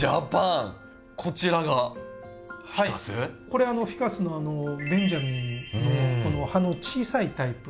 これフィカスのベンジャミナの葉の小さいタイプ。